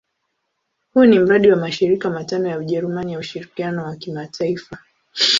Huu ni mradi wa mashirika matano ya Ujerumani ya ushirikiano wa kimataifa.